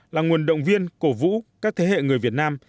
là nguồn động viên cổ vũ các thế hệ người việt nam